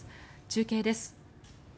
中継です。